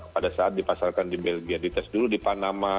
pada saat dipasarkan di belgia dites dulu di panama